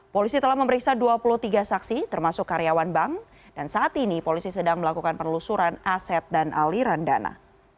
polisi telah memeriksa dua puluh tiga saksi termasuk karyawan bank dan saat ini polisi sedang melakukan penelusuran aset dan aliran dana